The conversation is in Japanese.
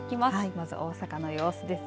まず大阪の様子です。